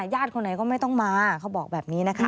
คนไหนก็ไม่ต้องมาเขาบอกแบบนี้นะคะ